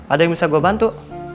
ada yang bisa gue bantu